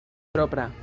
propra